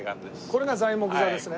これが材木座ですね。